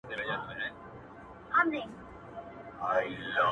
ټولو انجونو تې ويل گودر كي هغي انجــلـۍ,